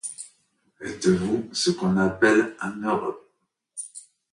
Êtes-vous ce qu'on appelle un heureux?